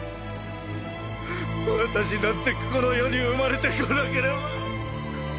私なんてこの世に生まれてこなければ！